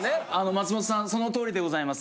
松本さんその通りでございます。